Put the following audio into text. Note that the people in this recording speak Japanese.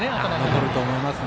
残ると思います。